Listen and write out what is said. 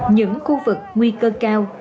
những khu vực nguy cơ cao